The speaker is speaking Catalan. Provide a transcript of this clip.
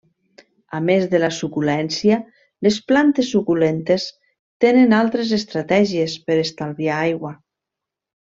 A més de la suculència, les plantes suculentes tenen altres estratègies per estalviar aigua.